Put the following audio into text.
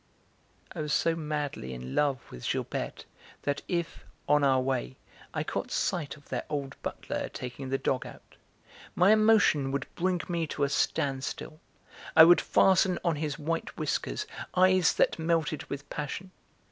I was so madly in love with Gilberte that if, on our way, I caught sight of their old butler taking the dog out, my emotion would bring me to a standstill, I would fasten on his white whiskers eyes that melted with passion.